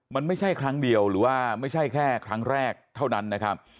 มันไม่ใช่ครั้งเดียวหรือว่าไม่ใช่แค่ครั้งแรกเท่านั้นนะครับ